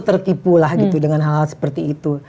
tertipu lah gitu dengan hal hal seperti itu